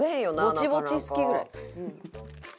ぼちぼち好きぐらい。